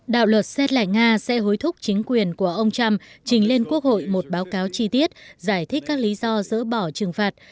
đạo luật xét lại nga sẽ hối thúc chính quyền của ông trump trình lên quốc hội một báo cáo chi tiết giải thích các lý do dỡ bỏ trừng phạt